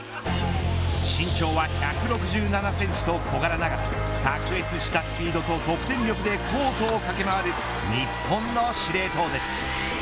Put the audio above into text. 身長は１６７センチと小柄ながら卓越したスピードと得点力でコートを駆け回る日本の司令塔です。